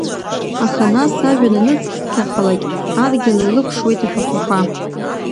Аха, нас ажәҩан аныцқьахалак адгьыл илықәшуеит ашәахәақәа.